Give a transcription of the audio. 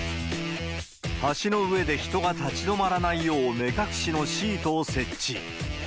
橋の上で人が立ち止まらないよう、目隠しのシートを設置。